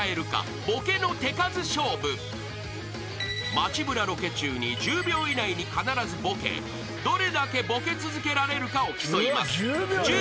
［街ぶらロケ中に１０秒以内に必ずボケどれだけボケ続けられるかを競います］